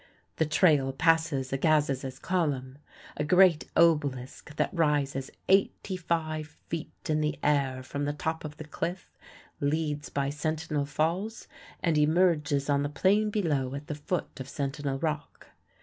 The trail passes Agassiz's Column, a giant obelisk that rises 85 feet in the air from the top of the cliff, leads by Sentinel Falls, and emerges on the plain below at the foot of Sentinel Rock.